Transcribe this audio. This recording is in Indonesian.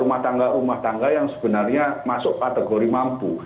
rumah tangga rumah tangga yang sebenarnya masuk kategori mampu